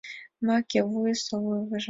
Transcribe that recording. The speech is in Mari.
Маке вуйысо лывыже